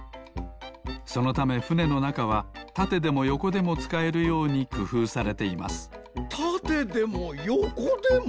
そのためふねのなかはたてでもよこでもつかえるようにくふうされていますたてでもよこでも。